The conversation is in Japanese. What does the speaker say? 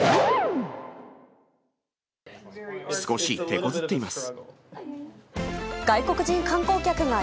少してこずっています。